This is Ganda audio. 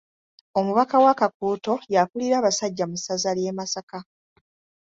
Omubaka wa Kakuuto y'akulira abasajja mu ssaza lye Masaka.